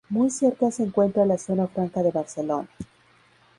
Muy cerca se encuentra la Zona Franca de Barcelona.